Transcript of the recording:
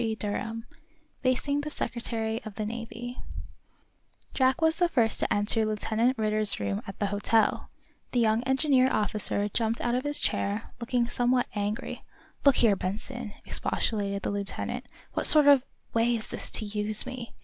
CHAPTER XI FACING THE SECRETARY OF THE NAVY Jack was the first to enter Lieutenant Ridder's room at the hotel. The young engineer officer jumped up out of his chair, looking somewhat angry. "Look here, Benson," expostulated the lieutenant, "what sort of way is this to use me?